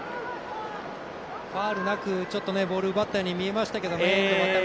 ファウルなくちょっとボール奪ったように見えましたけどね。